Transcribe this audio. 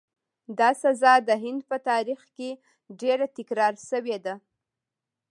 دا سزا د هند په تاریخ کې ډېره تکرار شوې ده.